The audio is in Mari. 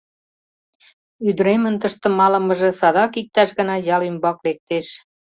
Ӱдыремын тыште малымыже садак иктаж гана ял ӱмбак лектеш.